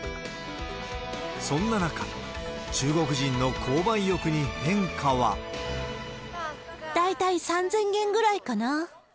そんな中、大体３０００元ぐらいかな。